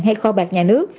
hay kho bạc nhà nước